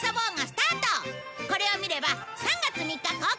これを見れば３月３日公開